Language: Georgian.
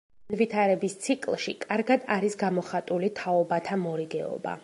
განვითარების ციკლში კარგად არის გამოხატული თაობათა მორიგეობა.